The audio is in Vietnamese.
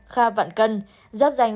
kha vạn cân giáp danh